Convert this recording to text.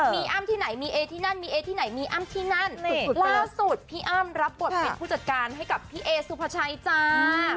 มีอ้ำที่ไหนมีเอที่นั่นมีเอที่ไหนมีอ้ำที่นั่นล่าสุดพี่อ้ำรับบทเป็นผู้จัดการให้กับพี่เอสุภาชัยจ้า